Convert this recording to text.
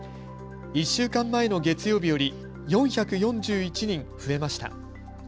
１週間前の月曜日より４４１人増えました。